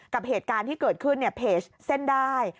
กับเหตุการณ์ที่เกิดขึ้นเพจเส้นได้